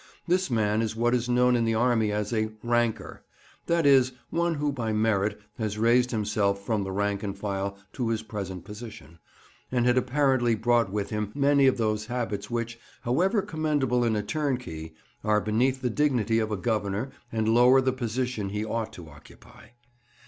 This man is what is known in the army as a "Ranker"—that is, one who by merit has raised himself from the rank and file to his present position—and had apparently brought with him many of those habits which, however commendable in a turnkey, are beneath the dignity of a Governor and lower the position he ought to occupy.